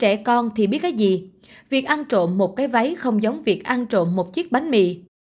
trẻ con thì biết cái gì việc ăn trộm một cái váy không giống việc ăn trộm một chiếc bánh mì